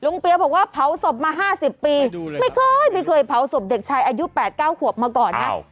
เปียบอกว่าเผาศพมา๕๐ปีไม่เคยไม่เคยเผาศพเด็กชายอายุ๘๙ขวบมาก่อนนะ